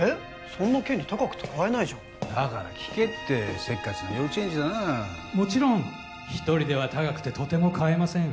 そんな権利高くて買えないじゃんだから聞けってせっかちな幼稚園児だなもちろん一人では高くてとても買えません